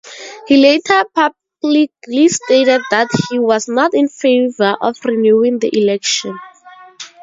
He later publicly stated that he was not in favour of renewing the election.